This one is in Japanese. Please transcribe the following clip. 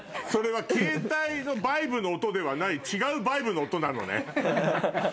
それは携帯のバイブの音ではない違うバイブの音なのね。